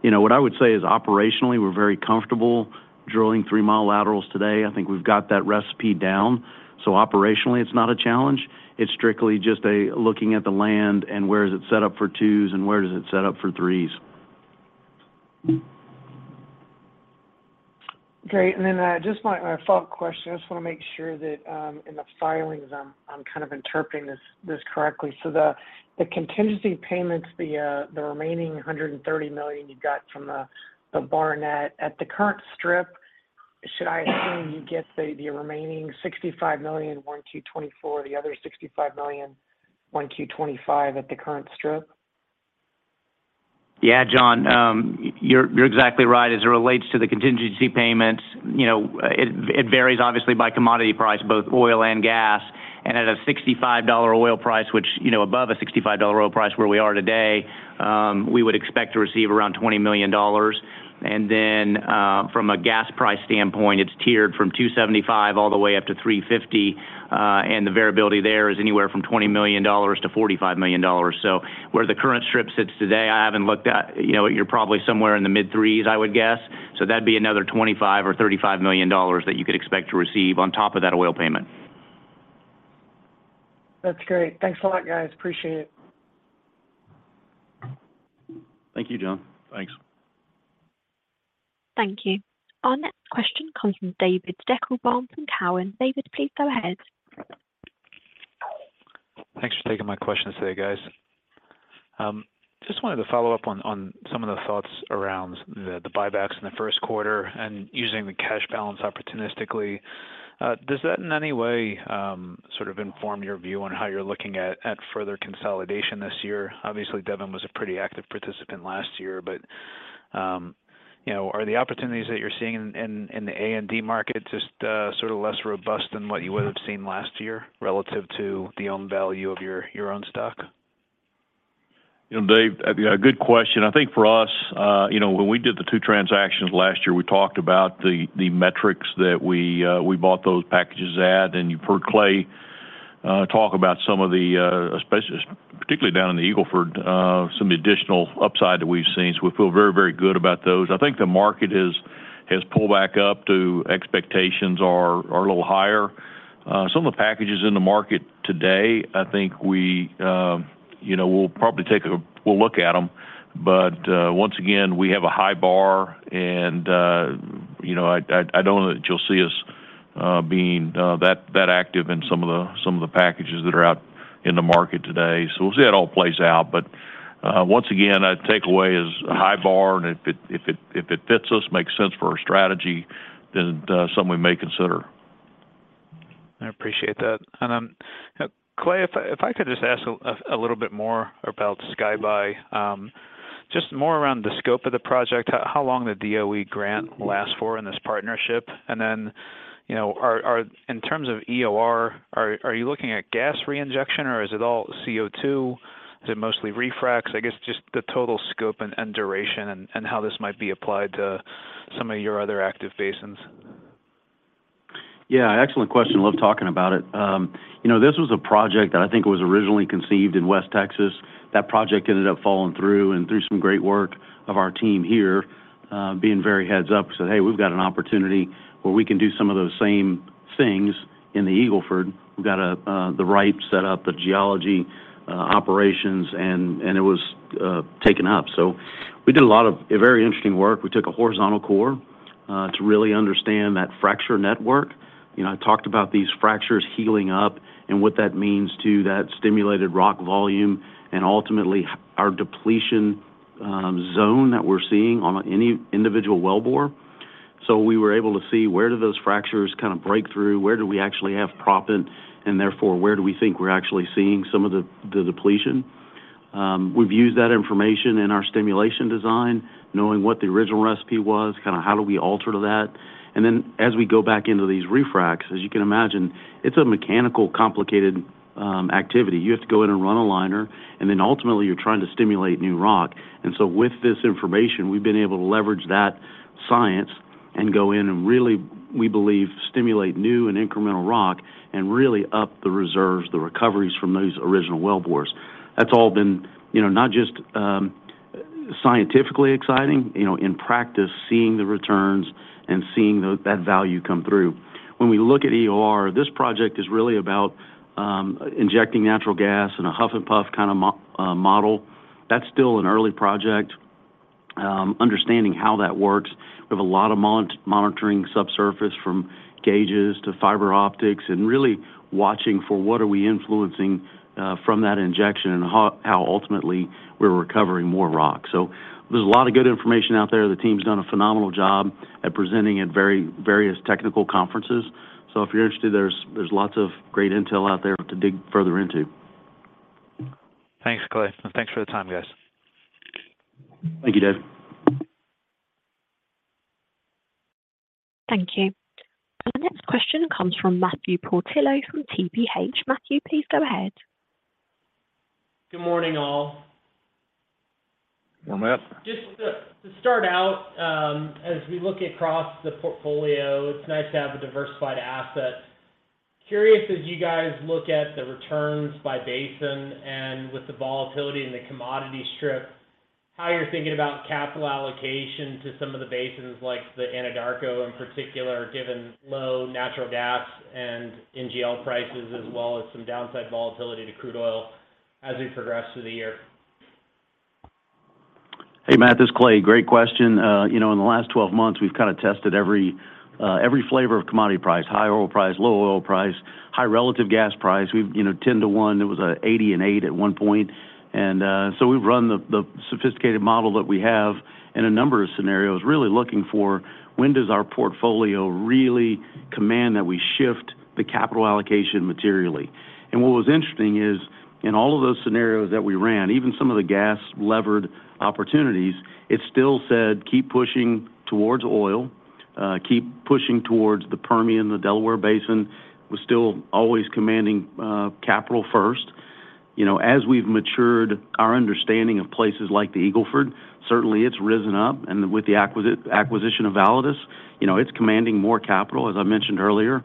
You know, what I would say is operationally, we're very comfortable drilling three-mile laterals today. I think we've got that recipe down. Operationally, it's not a challenge. It's strictly just a looking at the land and where is it set up for 2s and where is it set up for 3s. Great. Just my follow-up question, I just wanna make sure that in the filings, I'm kind of interpreting this correctly. The contingency payments, the remaining $130 million you got from the Barnett. At the current strip, should I assume you get the remaining $65 million, 1Q 2024, the other $65 million, 1Q 2025 at the current strip? Yeah, John, you're exactly right. As it relates to the contingency payments, you know, it varies obviously by commodity price, both oil and gas. At a $65 oil price, which, you know, above a $65 oil price where we are today, we would expect to receive around $20 million. From a gas price standpoint, it's tiered from $2.75 all the way up to $3.50, and the variability there is anywhere from $20 million-$45 million. Where the current strip sits today, I haven't looked at. You know, you're probably somewhere in the mid $3s, I would guess. That'd be another $25 million or $35 million that you could expect to receive on top of that oil payment. That's great. Thanks a lot, guys. Appreciate it. Thank you, John. Thanks. Thank you. Our next question comes from David Deckelbaum from Cowen. David, please go ahead. Thanks for taking my questions today, guys. Just wanted to follow up on some of the thoughts around the buybacks in the first quarter and using the cash balance opportunistically. Does that in any way, sort of inform your view on how you're looking at further consolidation this year? Obviously, Devon was a pretty active participant last year, but, you know, are the opportunities that you're seeing in the A&D market just, sort of less robust than what you would have seen last year relative to the own value of your own stock? You know, Dave, yeah, good question. I think for us, you know, when we did the two transactions last year, we talked about the metrics that we bought those packages at, and you've heard Clay talk about some of the, especially, particularly down in the Eagle Ford, some of the additional upside that we've seen. We feel very, very good about those. I think the market has pulled back up to expectations are a little higher. Some of the packages in the market today, I think we, you know, we'll probably look at them. Once again, we have a high bar and, you know, I don't know that you'll see us being that active in some of the packages that are out in the market today. We'll see how it all plays out. Once again, a takeaway is a high bar, and if it fits us, makes sense for our strategy, then it's something we may consider. I appreciate that. Clay, if I could just ask a little bit more about Zgabay, just more around the scope of the project. How long the DOE grant will last for in this partnership? You know, In terms of EOR, are you looking at gas reinjection or is it all CO2? Is it mostly refracts? I guess just the total scope and duration and how this might be applied to some of your other active basins? Yeah, excellent question. Love talking about it. You know, this was a project that I think was originally conceived in West Texas. That project ended up falling through some great work of our team here, being very heads up, said, "Hey, we've got an opportunity where we can do some of those same things in the Eagle Ford. We've got the right set up, the geology, operations, and it was taken up. We did a lot of very interesting work. We took a horizontal core to really understand that fracture network. You know, I talked about these fractures healing up and what that means to that stimulated rock volume and ultimately our depletion zone that we're seeing on any individual wellbore. We were able to see where do those fractures kind of break through? Where do we actually have proppant, therefore, where do we think we're actually seeing some of the depletion? We've used that information in our stimulation design, knowing what the original recipe was, kinda how do we alter that. As we go back into these Refracs, as you can imagine, it's a mechanical complicated activity. You have to go in and run a liner, and then ultimately you're trying to stimulate new rock. With this information, we've been able to leverage that science and go in and really, we believe, stimulate new and incremental rock and really up the reserves, the recoveries from those original wellbores. That's all been, you know, not just scientifically exciting, you know, in practice, seeing the returns and seeing that value come through. When we look at EOR, this project is really about injecting natural gas in a huff and puff kinda model. That's still an early project. Understanding how that works, we have a lot of monitoring subsurface from gauges to fiber optics, and really watching for what are we influencing from that injection and how ultimately we're recovering more rock. There's a lot of good information out there. The team's done a phenomenal job at presenting at various technical conferences. If you're interested, there's lots of great intel out there to dig further into. Thanks, Clay. Thanks for the time, guys. Thank you, Dave. Thank you. The next question comes from Matthew Portillo from TPH. Matthew, please go ahead. Good morning, all. Morning, Matt. Just to start out, as we look across the portfolio, it's nice to have a diversified asset. Curious as you guys look at the returns by basin and with the volatility in the commodity strip, how you're thinking about capital allocation to some of the basins like the Anadarko in particular, given low natural gas and NGL prices as well as some downside volatility to crude oil as we progress through the year? Hey, Matt, this is Clay. Great question. You know, in the last 12 months, we've kinda tested every every flavor of commodity price, high oil price, low oil price, high relative gas price. We've, you know, 10 to 1, it was $80 and $8 at one point. We've run the sophisticated model that we have in a number of scenarios, really looking for when does our portfolio really command that we shift the capital allocation materially. What was interesting is in all of those scenarios that we ran, even some of the gas levered opportunities, it still said, keep pushing towards oil, keep pushing towards the Permian, the Delaware Basin, was still always commanding capital first. You know, as we've matured our understanding of places like the Eagle Ford, certainly it's risen up. With the acquisition of Validus, you know, it's commanding more capital, as I mentioned earlier.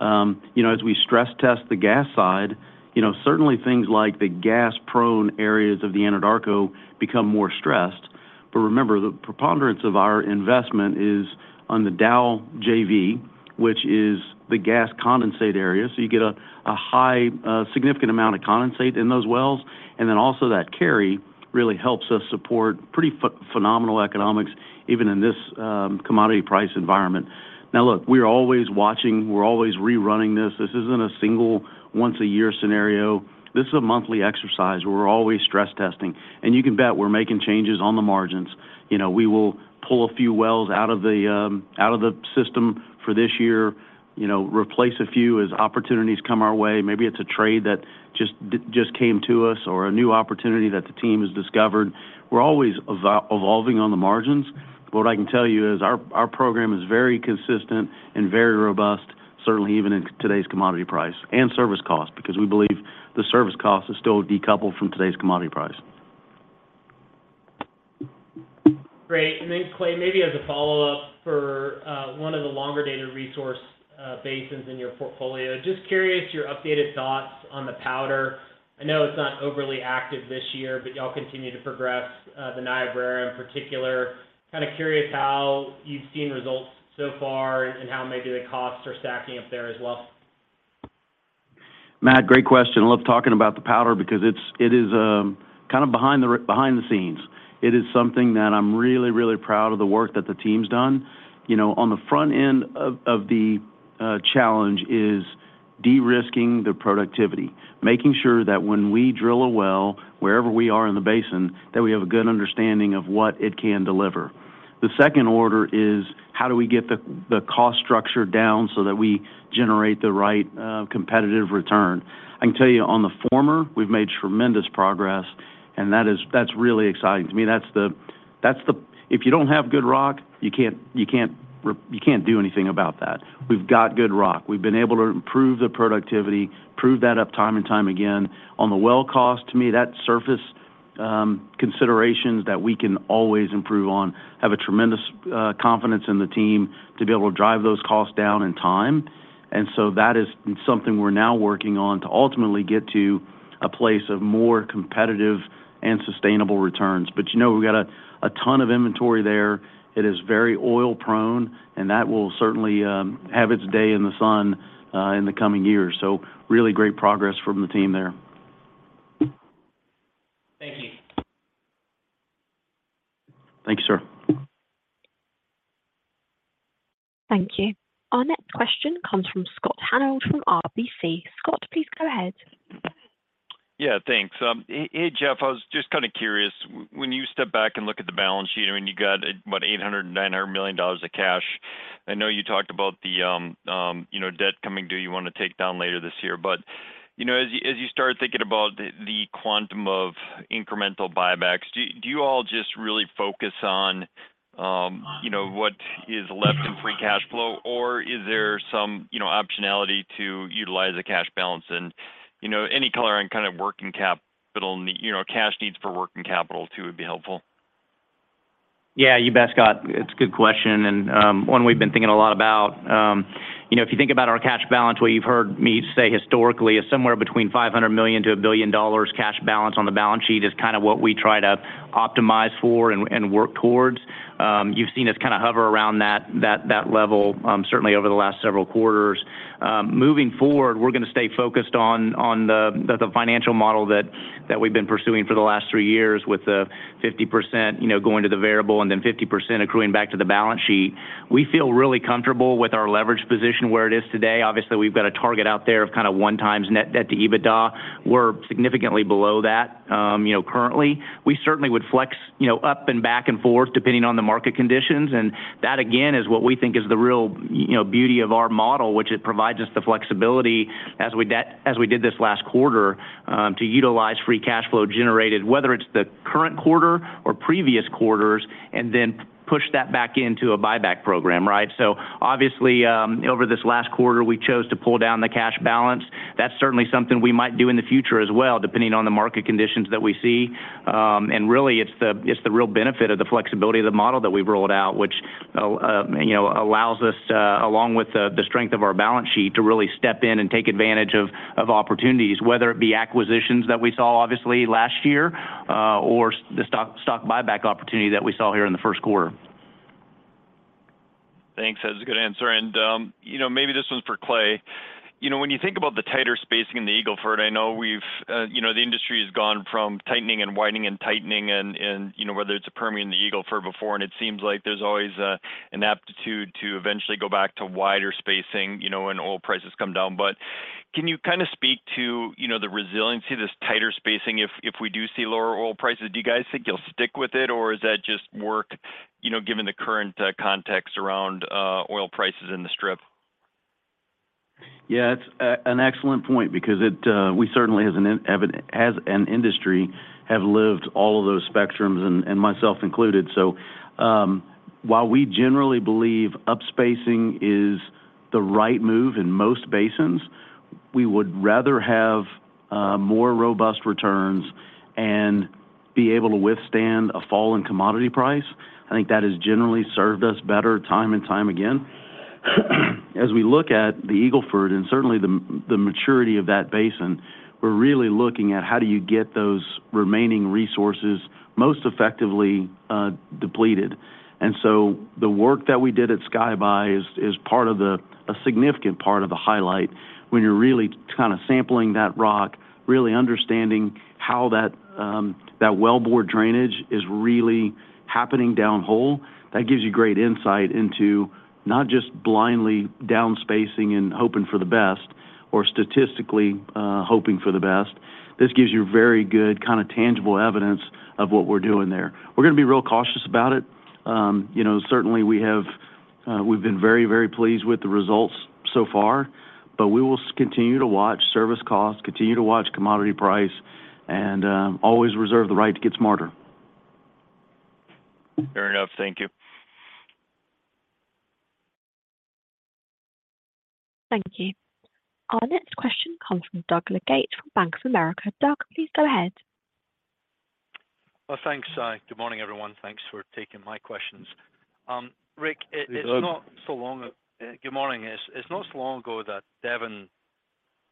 You know, as we stress test the gas side, you know, certainly things like the gas prone areas of the Anadarko become more stressed. Remember, the preponderance of our investment is on the Dow JV, which is the gas condensate area. You get a high, significant amount of condensate in those wells. Also that carry really helps us support pretty phenomenal economics even in this commodity price environment. Now look, we're always watching, we're always rerunning this. This isn't a single once a year scenario. This is a monthly exercise. We're always stress testing, you can bet we're making changes on the margins. You know, we will pull a few wells out of the out of the system for this year, you know, replace a few as opportunities come our way. Maybe it's a trade that just came to us or a new opportunity that the team has discovered. We're always evolving on the margins. What I can tell you is our program is very consistent and very robust, certainly even in today's commodity price and service cost, because we believe the service cost is still decoupled from today's commodity price. Great. Then Clay, maybe as a follow-up for one of the longer data resource basins in your portfolio, just curious your updated thoughts on the Powder? I know it's not overly active this year, but y'all continue to progress the Niobrara in particular. Kinda curious how you've seen results so far and how maybe the costs are stacking up there as well? Matt, great question. I love talking about the Powder because it is kinda behind the scenes. It is something that I'm really, really proud of the work that the team's done. You know, on the front end of the challenge is de-risking the productivity, making sure that when we drill a well, wherever we are in the basin, that we have a good understanding of what it can deliver. The second order is how do we get the cost structure down so that we generate the right competitive return. I can tell you on the former, we've made tremendous progress, and that's really exciting to me. That's the. If you don't have good rock, you can't do anything about that. We've got good rock. We've been able to improve the productivity, prove that uptime and time again. On the well cost, to me, that surface considerations that we can always improve on have a tremendous confidence in the team to be able to drive those costs down in time. That is something we're now working on to ultimately get to a place of more competitive and sustainable returns. You know, we've got a ton of inventory there. It is very oil-prone, and that will certainly have its day in the sun in the coming years. Really great progress from the team there. Thank you. Thank you, sir. Thank you. Our next question comes from Scott Hanold from RBC. Scott, please go ahead. Yeah, thanks. Hey, Jeff, I was just kind of curious. When you step back and look at the balance sheet, I mean, you got about $800 million-$900 million of cash. I know you talked about the, you know, debt coming due you want to take down later this year. You know, as you start thinking about the quantum of incremental buybacks, do you all just really focus on, you know, what is left in free cash flow? Or is there some, you know, optionality to utilize the cash balance? You know, any color on kind of working capital, you know, cash needs for working capital too would be helpful. You bet, Scott. It's a good question, and one we've been thinking a lot about. You know, if you think about our cash balance, what you've heard me say historically is somewhere between $500 million-$1 billion cash balance on the balance sheet is kind of what we try to optimize for and work towards. You've seen us kind of hover around that level certainly over the last several quarters. Moving forward, we're gonna stay focused on the financial model that we've been pursuing for the last three years with the 50%, you know, going to the variable and then 50% accruing back to the balance sheet. We feel really comfortable with our leverage position where it is today. Obviously, we've got a target out there of kind of 1x net debt to EBITDA. We're significantly below that, you know, currently. We certainly would flex, you know, up and back and forth depending on the market conditions. That again, is what we think is the real, you know, beauty of our model, which it provides us the flexibility as we did this last quarter, to utilize free cash flow generated, whether it's the current quarter or previous quarters, and then push that back into a buyback program, right? Obviously, over this last quarter, we chose to pull down the cash balance. That's certainly something we might do in the future as well, depending on the market conditions that we see. Really it's the, it's the real benefit of the flexibility of the model that we've rolled out, which, you know, allows us to, along with the strength of our balance sheet, to really step in and take advantage of opportunities, whether it be acquisitions that we saw obviously last year, or the stock buyback opportunity that we saw here in the first quarter. Thanks. That's a good answer. You know, maybe this one's for Clay. You know, when you think about the tighter spacing in the Eagle Ford, I know we've, you know, the industry has gone from tightening and widening and tightening and, you know, whether it's a Permian, the Eagle Ford before, and it seems like there's always an aptitude to eventually go back to wider spacing, you know, when oil prices come down. Can you kind of speak to, you know, the resiliency of this tighter spacing if we do see lower oil prices? Do you guys think you'll stick with it, or is that just work, you know, given the current context around oil prices in the strip? It's an excellent point because it, we certainly as an industry, have lived all of those spectrums and myself included. While we generally believe upspacing is the right move in most basins, we would rather have more robust returns and be able to withstand a fall in commodity price. I think that has generally served us better time and time again. As we look at the Eagle Ford, and certainly the maturity of that basin, we're really looking at how do you get those remaining resources most effectively depleted. The work that we did at Zgabay is a significant part of the highlight when you're really kind of sampling that rock, really understanding how that wellbore drainage is really happening downhole. That gives you great insight into not just blindly downspacing and hoping for the best or statistically, hoping for the best. This gives you very good kind of tangible evidence of what we're doing there. We're gonna be real cautious about it. You know, certainly we have, we've been very, very pleased with the results so far. We will continue to watch service costs, continue to watch commodity price, and always reserve the right to get smarter. Fair enough. Thank you. Thank you. Our next question comes from Doug Leggate from Bank of America. Doug, please go ahead. Well, thanks. Good morning, everyone. Thanks for taking my questions. Rick, it's not so long. Good morning. Good morning. It's not so long ago that Devon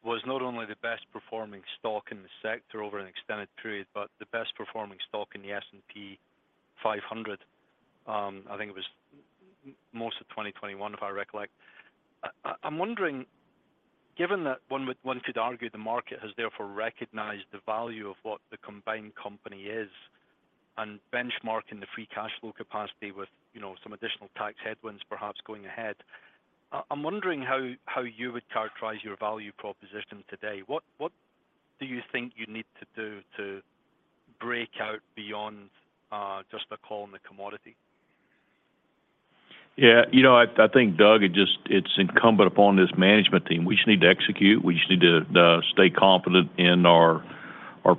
was not only the best performing stock in the sector over an extended period, but the best performing stock in the S&P 500. I think it was most of 2021, if I recollect. I'm wondering, given that one could argue the market has therefore recognized the value of what the combined company is and benchmarking the free cash flow capacity with, you know, some additional tax headwinds perhaps going ahead, I'm wondering how you would characterize your value proposition today. What do you think you need to do to break out beyond just a call on the commodity? Yeah. You know, I think, Doug, it's incumbent upon this management team. We just need to execute. We just need to stay confident in our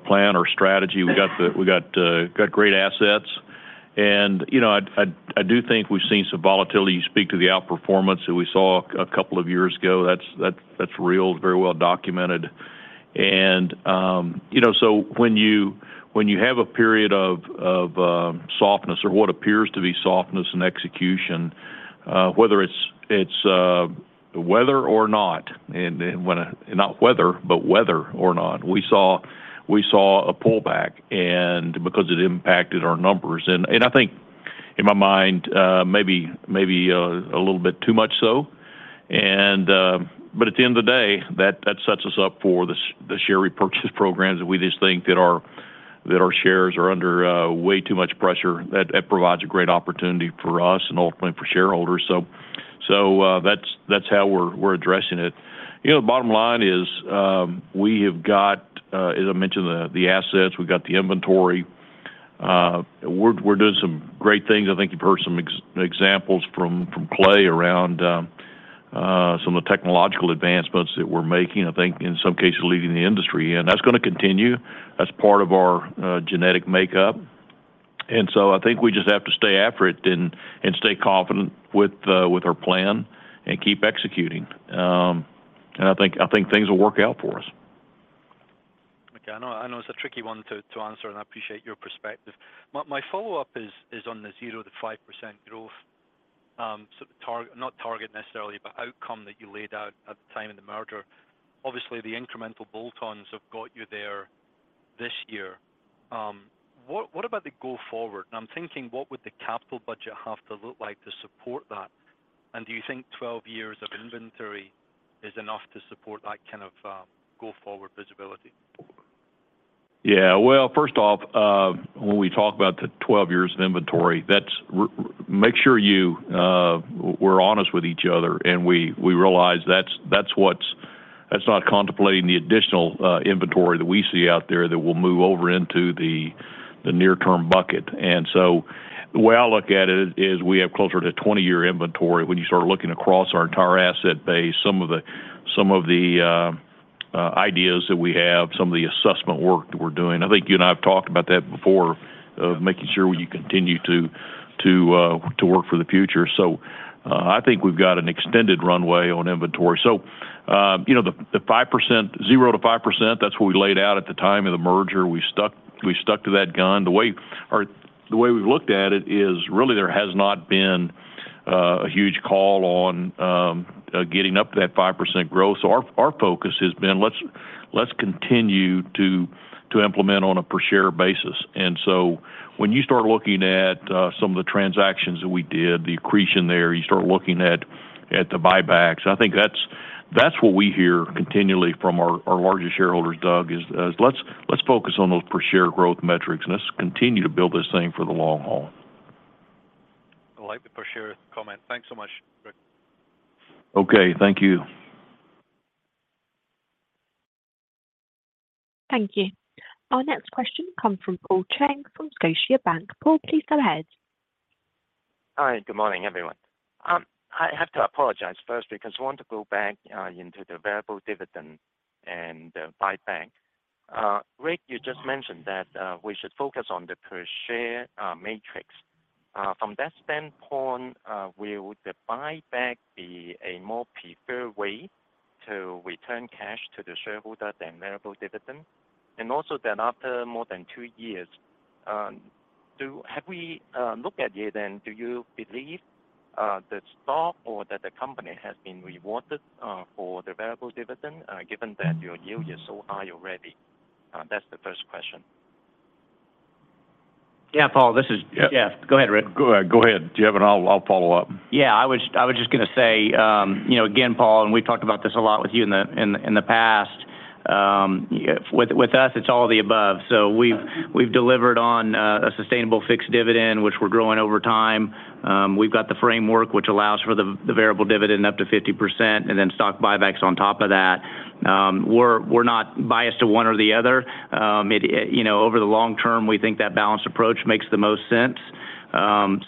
plan, our strategy. We got great assets. You know, I do think we've seen some volatility. You speak to the outperformance that we saw a couple of years ago. That's real, very well documented. You know, so when you have a period of softness or what appears to be softness in execution. Whether it's, whether or not, and not whether, but whether or not. We saw a pullback, because it impacted our numbers. I think in my mind, maybe, a little bit too much so. At the end of the day, that sets us up for the share repurchase programs that we just think that our shares are under, way too much pressure. That provides a great opportunity for us and ultimately for shareholders. That's how we're addressing it. You know, bottom line is, we have got, as I mentioned, the assets, we've got the inventory. We're doing some great things. I think you've heard some examples from Clay around some of the technological advancements that we're making. I think in some cases leading the industry. That's gonna continue as part of our genetic makeup. I think we just have to stay after it and stay confident with our plan and keep executing. I think things will work out for us. Okay. I know it's a tricky one to answer, and I appreciate your perspective. My follow-up is on the 0%-5% growth. Not target necessarily, but outcome that you laid out at the time of the merger. Obviously, the incremental bolt-ons have got you there this year. What about the go forward? I'm thinking, what would the capital budget have to look like to support that? Do you think 12 years of inventory is enough to support that kind of go forward visibility? Yeah. Well, first off, when we talk about the 12 years of inventory, that's make sure you we're honest with each other and we realize that's what's not contemplating the additional inventory that we see out there that will move over into the near term bucket. The way I look at it is we have closer to 20-year inventory when you start looking across our entire asset base, some of the ideas that we have, some of the assessment work that we're doing. I think you and I have talked about that before, of making sure you continue to work for the future. I think we've got an extended runway on inventory. You know, the 0%-5%, that's what we laid out at the time of the merger. We stuck to that gun. The way we've looked at it is really there has not been a huge call on getting up to that 5% growth. Our focus has been let's continue to implement on a per share basis. When you start looking at some of the transactions that we did, the accretion there, you start looking at the buybacks. I think that's what we hear continually from our largest shareholders, Doug, is let's focus on those per share growth metrics, and let's continue to build this thing for the long haul. I like the per share comment. Thanks so much, Rick. Okay. Thank you. Thank you. Our next question comes from Paul Cheng from Scotiabank. Paul, please go ahead. Hi, good morning, everyone. I have to apologize first because I want to go back into the variable dividend and buyback. Rick, you just mentioned that we should focus on the per share matrix. From that standpoint, will the buyback be a more preferred way to return cash to the shareholder than variable dividend? Also then after more than 2 years, have we looked at it, and do you believe the stock or that the company has been rewarded for the variable dividend, given that your yield is so high already? That's the first question. Yeah. Paul, this is- Yeah. Yeah. Go ahead, Rick. Go ahead, Jeff. I'll follow up. Yeah. I was just gonna say, you know, again, Paul, and we talked about this a lot with you in the past. With us, it's all of the above. We've delivered on a sustainable fixed dividend, which we're growing over time. We've got the framework which allows for the variable dividend up to 50% and then stock buybacks on top of that. We're not biased to one or the other. You know, over the long term, we think that balanced approach makes the most sense.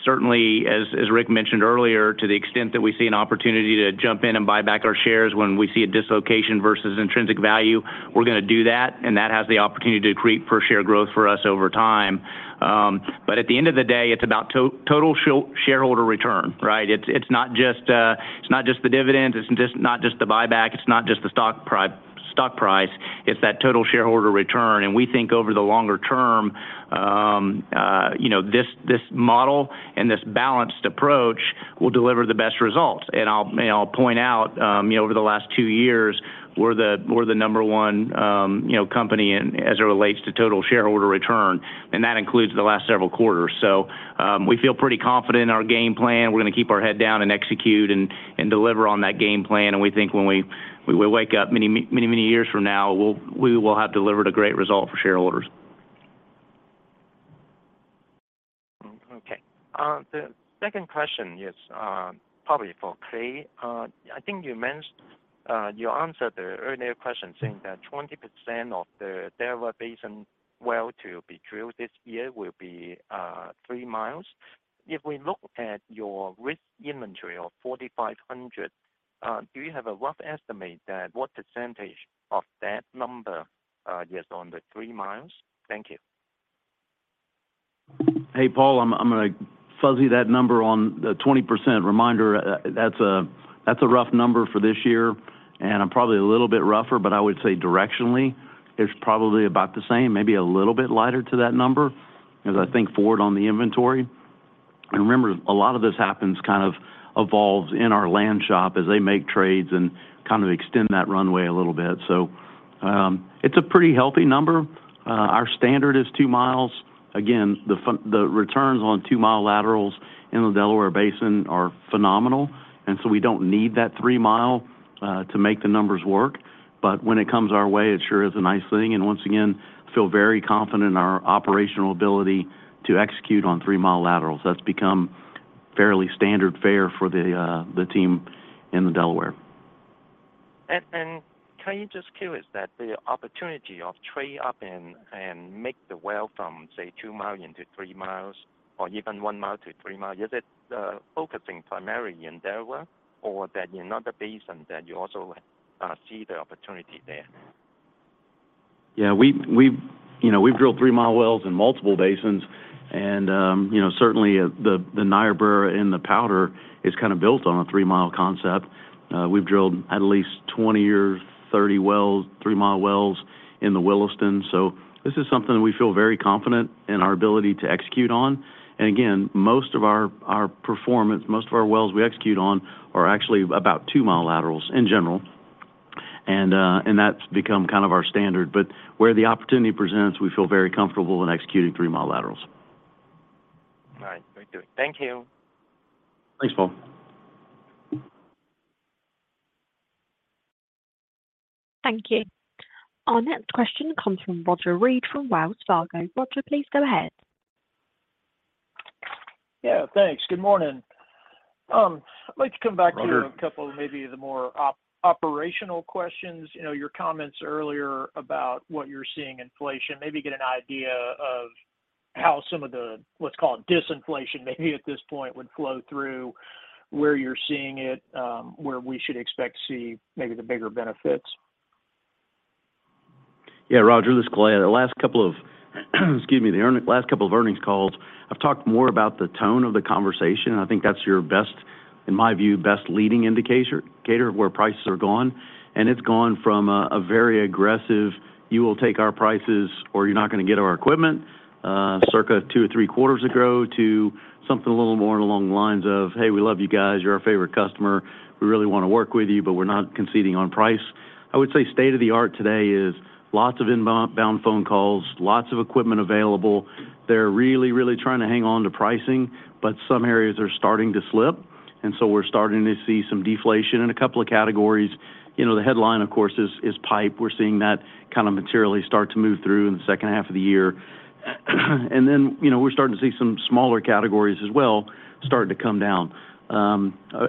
Certainly as Rick mentioned earlier, to the extent that we see an opportunity to jump in and buy back our shares when we see a dislocation versus intrinsic value, we're gonna do that, and that has the opportunity to create per share growth for us over time. But at the end of the day, it's about total shareholder return, right? It's not just the dividend, it's not just the buyback, it's not just the stock price, it's that total shareholder return. We think over the longer term, you know, this model and this balanced approach will deliver the best results. I'll point out, you know, over the last 2 years, we're the number 1, you know, company as it relates to total shareholder return, and that includes the last several quarters. We feel pretty confident in our game plan. We're gonna keep our head down and execute and deliver on that game plan. We think when we wake up many, many years from now, we will have delivered a great result for shareholders. Okay. The second question is probably for Clay. I think you mentioned you answered the earlier question saying that 20% of the Delaware Basin well to be drilled this year will be 3 miles. If we look at your risk inventory of 4,500, do you have a rough estimate that what percentage of that number is on the 3 miles? Thank you. Hey, Paul. I'm gonna fuzzy that number on the 20%. Reminder, that's a rough number for this year, and I'm probably a little bit rougher, but I would say directionally it's probably about the same, maybe a little bit lighter to that number. As I think forward on the inventory, remember, a lot of this happens, kind of evolves in our land shop as they make trades and kind of extend that runway a little bit. It's a pretty healthy number. Our standard is 2 miles. Again, the returns on 2-mile laterals in the Delaware Basin are phenomenal. We don't need that 3 mile to make the numbers work. When it comes our way, it sure is a nice thing. Once again, feel very confident in our operational ability to execute on 3-mile laterals. That's become fairly standard fare for the team in the Delaware. Can you just curious that the opportunity of trade up and make the well from, say, 2 mile into 3 miles or even 1 mile to 3 miles, is it, focusing primarily in Delaware or that in other basins that you also, see the opportunity there? Yeah, we, you know, we've drilled 3-mile wells in multiple basins. You know, certainly the Niobrara in the Powder is kinda built on a 3-mile concept. We've drilled at least 20 or 30 wells, 3-mile wells in the Williston. This is something we feel very confident in our ability to execute on. Again, most of our performance, most of our wells we execute on are actually about 2-mile laterals in general. That's become kind of our standard. Where the opportunity presents, we feel very comfortable in executing 3-mile laterals. All right. Very good. Thank you. Thanks, Paul. Thank you. Our next question comes from Roger Read from Wells Fargo. Roger, please go ahead. Yeah, thanks. Good morning. I'd like to come back. Roger... a couple of maybe the more operational questions. You know, your comments earlier about what you're seeing inflation. Maybe get an idea of how some of the, what's called disinflation maybe at this point would flow through, where you're seeing it, where we should expect to see maybe the bigger benefits. Yeah, Roger, this is Clay. The last couple of, excuse me, the last couple of earnings calls, I've talked more about the tone of the conversation, and I think that's your best, in my view, best leading indicator of where prices are gone. It's gone from a very aggressive, "You will take our prices or you're not gonna get our equipment," circa 2 or 3 quarters ago, to something a little more along the lines of, "Hey, we love you guys. You're our favorite customer. We really wanna work with you, but we're not conceding on price." I would say state-of-the-art today is lots of inbound phone calls, lots of equipment available. They're really trying to hang on to pricing, but some areas are starting to slip, and so we're starting to see some deflation in a couple of categories. You know, the headline, of course, is pipe. We're seeing that kind of materially start to move through in the second half of the year. You know, we're starting to see some smaller categories as well starting to come down.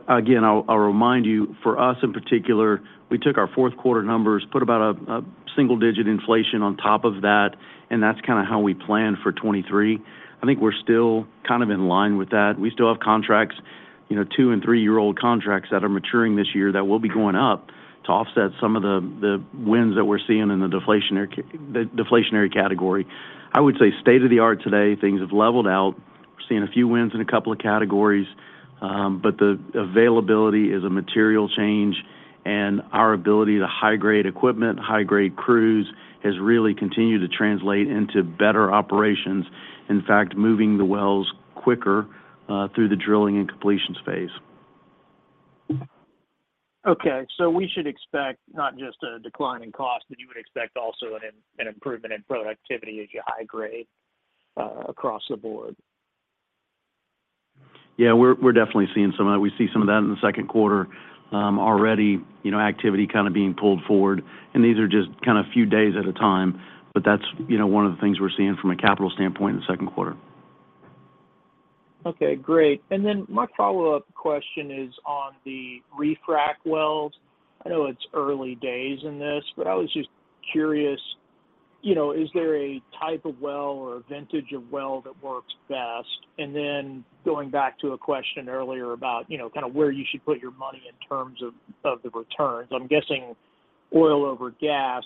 Again, I'll remind you, for us, in particular, we took our fourth quarter numbers, put about a single digit inflation on top of that, and that's kinda how we plan for 23. I think we're still kind of in line with that. We still have contracts, you know, two- and three-year-old contracts that are maturing this year that will be going up to offset some of the wins that we're seeing in the deflationary category. I would say state-of-the-art today, things have leveled out. We're seeing a few wins in a couple of categories. The availability is a material change, and our ability to high-grade equipment, high-grade crews, has really continued to translate into better operations. In fact, moving the wells quicker through the drilling and completion phase. Okay. we should expect not just a decline in cost, but you would expect also an improvement in productivity as you high grade across the board. Yeah. We're definitely seeing some of that. We see some of that in the second quarter, already, you know, activity kinda being pulled forward. These are just kinda few days at a time, but that's, you know, one of the things we're seeing from a capital standpoint in the second quarter. Okay. Great. My follow-up question is on the Refrac wells. I know it's early days in this, I was just curious, you know, is there a type of well or a vintage of well that works best? Going back to a question earlier about, you know, kind of where you should put your money in terms of the returns. I'm guessing oil over gas.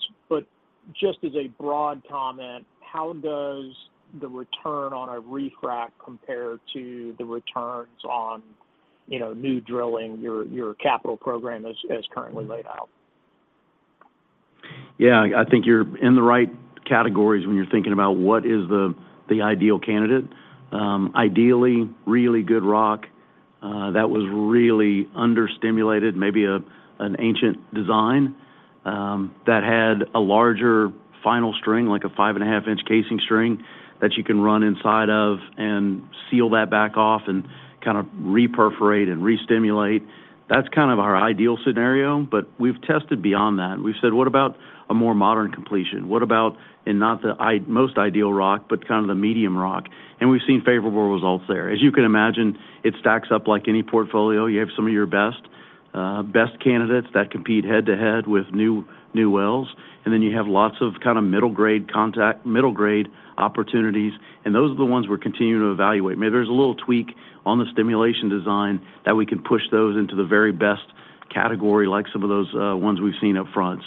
Just as a broad comment, how does the return on a Refrac compare to the returns on, you know, new drilling your capital program as currently laid out? Yeah. I think you're in the right categories when you're thinking about what is the ideal candidate. Ideally, really good rock that was really under-stimulated, maybe an ancient design that had a larger final string, like a 5.5-inch casing string that you can run inside of and seal that back off and kind of reperforate and re-stimulate. That's kind of our ideal scenario, but we've tested beyond that. We've said, what about a more modern completion? What about, not the most ideal rock, but kind of the medium rock? We've seen favorable results there. As you can imagine, it stacks up like any portfolio. You have some of your best candidates that compete head-to-head with new wells, and then you have lots of kind of middle-grade contact, middle-grade opportunities, and those are the ones we're continuing to evaluate. Maybe there's a little tweak on the stimulation design that we can push those into the very best category, like some of those ones we've seen up front.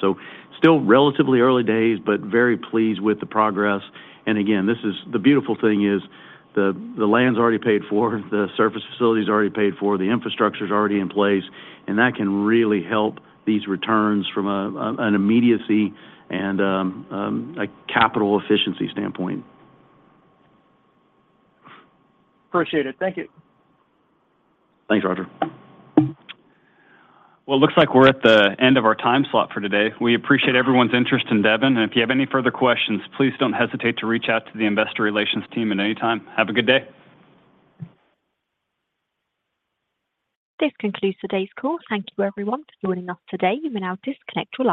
Still relatively early days, but very pleased with the progress. Again, this is. The beautiful thing is the land's already paid for, the surface facility is already paid for, the infrastructure's already in place, and that can really help these returns from an immediacy and a capital efficiency standpoint. Appreciate it. Thank you. Thanks, Roger. Well, it looks like we're at the end of our time slot for today. We appreciate everyone's interest in Devon. If you have any further questions, please don't hesitate to reach out to the investor relations team at any time. Have a good day. This concludes today's call. Thank you everyone for joining us today. You may now disconnect your lines.